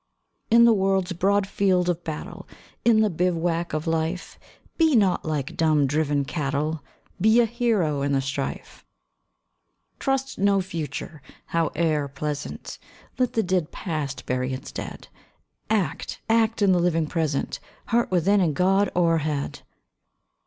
In the world's broad field of battle, In the bivouac of Life, Be not like dumb, driven cattle! Be a hero in the strife! Trust no future, howe'er pleasant! Let the dead Past bury its dead! Act, act in the living present! Heart within, and God o'erhead!